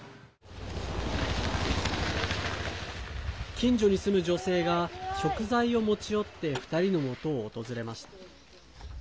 近所に住む女性が食材を持ち寄って２人のもとを訪れました。